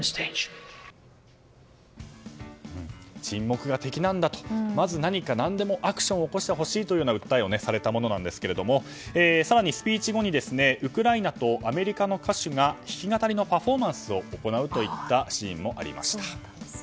沈黙が敵なんだとまず何か、何でもアクションを起こしてほしいと訴えをされたものなんですけども更にスピーチ後にウクライナとアメリカの歌手が弾き語りのパフォーマンスを行うといったシーンもありました。